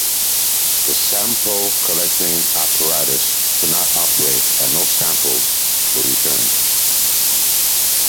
The sample collecting apparatus could not operate and no samples were returned.